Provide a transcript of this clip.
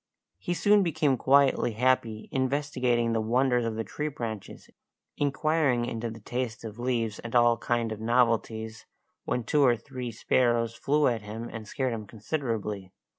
He soon became quietly happy, investigating the wonders of tree branches, inquiring into the taste of leaves and all kind of novelties, when two or three sparrows flew at him and scared him considerably.